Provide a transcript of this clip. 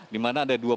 dimana ada dua pesawat